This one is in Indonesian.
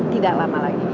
tidak lama lagi